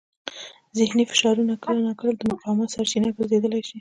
ذهني فشارونه کله ناکله د مقاومت سرچینه ګرځېدای شي.